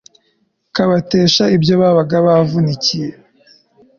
kabatesha ibyo babaga bavunikiye